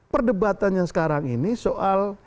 perdebatannya sekarang ini soal